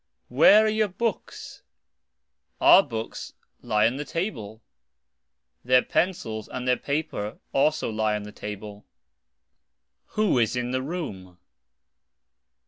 Where are your books ? Our books are (lie) on the table; their pencils and their paper also are (lie) on the table. Who is in the room